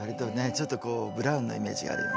ちょっとこうブラウンなイメージがあるよね。